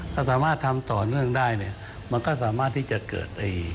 ถ้าสามารถทำต่อเนื่องได้เนี่ยมันก็สามารถที่จะเกิด